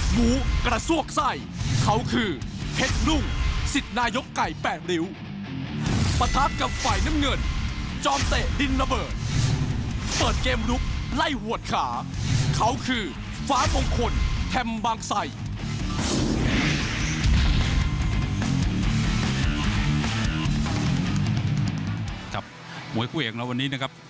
มวยคู่เอกในวันนี้นะครับ